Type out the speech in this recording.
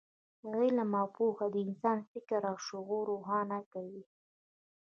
علم او پوهه د انسان فکر او شعور روښانه کوي.